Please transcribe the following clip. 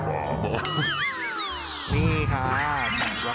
ในวันนี้ก็เป็นการประเดิมถ่ายเพลงแรก